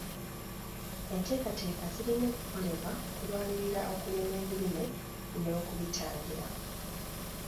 Enteekateeka zirina okukolebwa okulwanirira okulima ebirime n'okubitangira.